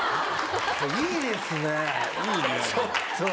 いいですねちょっと。